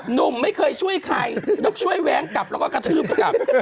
หนุ่มไม่เคยช่วยใครนกช่วยแว้งกลับแล้วก็กระทืบกลับ